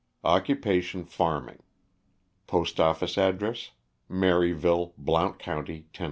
Occupation, farming. Postoffice address, Maryville, Blount county, Tenn.